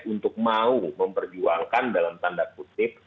untuk mau memperjuangkan dalam tanda kutip